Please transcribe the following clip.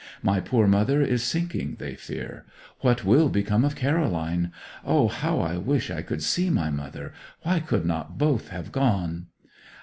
My poor mother is sinking, they fear. What will become of Caroline? O, how I wish I could see mother; why could not both have gone?